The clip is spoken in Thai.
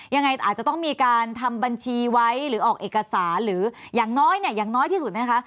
ยังไงอาจจะต้องมีการทำบัญชีไว้หรือออกเอกสารหรืออย่างน้อยที่สุดนะคะ